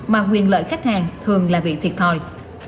mà quyền lợi khách hàng thường là bị thiệt thòi